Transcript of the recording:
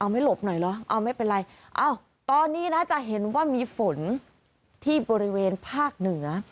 ไม่หลบหน่อยเหรอเอาไม่เป็นไรตอนนี้นะจะเห็นว่ามีฝนที่บริเวณภาคเหนือ